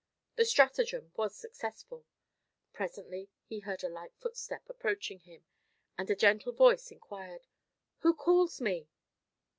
The stratagem was successful. Presently he heard a light footstep approaching him, and a gentle voice inquired "Who calls me?"